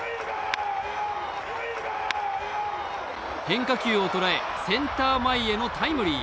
変化球を捉え、センター前へのタイムリー。